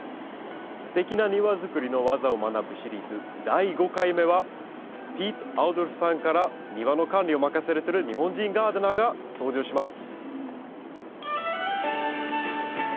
すてきな庭づくりの技を学ぶシリーズ第５回目はピート・アウドルフさんから庭の管理を任されてる日本人ガーデナーが登場します。